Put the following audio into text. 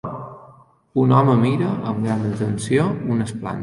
Un home mira amb gran atenció unes plantes.